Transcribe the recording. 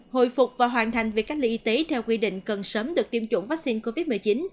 hồi phục và hoàn thành việc cách ly y tế theo quy định cần sớm được tiêm chủng vaccine covid một mươi chín